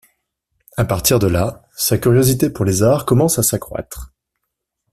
À partir de là, sa curiosité pour les arts commence à s'accroître.